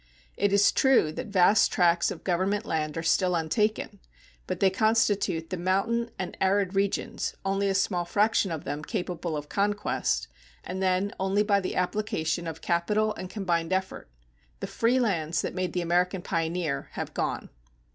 It is true that vast tracts of government land are still untaken, but they constitute the mountain and arid regions, only a small fraction of them capable of conquest, and then only by the application of capital and combined effort. The free lands that made the American pioneer have gone.